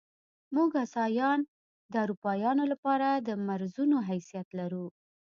موږ اسیایان د اروپایانو له پاره د مرضونو حیثیت لرو.